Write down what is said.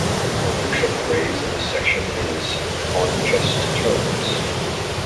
The crucial phrase in this section is "on just terms".